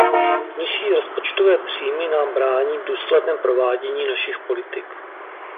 Nižší rozpočtové příjmy nám brání v důsledném provádění našich politik.